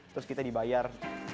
terus kita dibayar